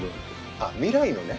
あっ未来のね。